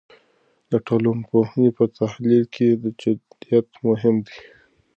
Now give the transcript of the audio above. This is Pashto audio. د ټولنپوهنې په تحلیل کې جدیت مهم دی.